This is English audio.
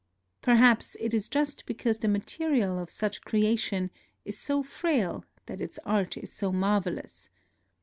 Perhaps it is just because the material of such creation is so frail that its art is so marvelous.